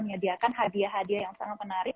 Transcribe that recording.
menyediakan hadiah hadiah yang sangat menarik